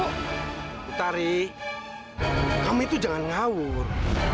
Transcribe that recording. putari kamu itu jangan ngawur